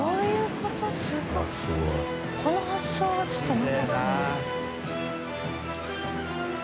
この発想はちょっとなかったな。